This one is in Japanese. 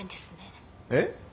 えっ？